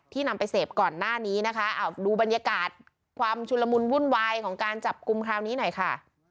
นำไปเสพก่อนหน้านี้นะคะดูบรรยากาศความชุนละมุนวุ่นวายของการจับกลุ่มคราวนี้หน่อยค่ะ